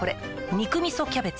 「肉みそキャベツ」